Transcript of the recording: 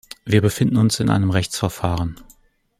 Wir befinden uns in einem Rechtsverfahren.